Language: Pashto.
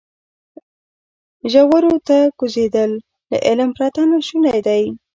ژورو ته کوزېدل له علم پرته ناشونی دی.